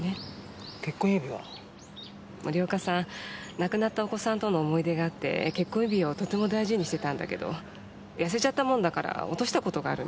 亡くなったお子さんとの思い出があって結婚指輪をとても大事にしてたんだけどやせちゃったもんだから落とした事があるのよね。